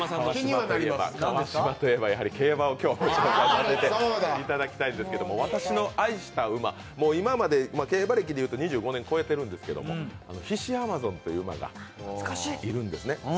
競馬を今日、紹介させていただきたいんですけど、今まで競馬歴で言うと２５年超えているんですけど、ヒシアマゾンという馬がいるんですね。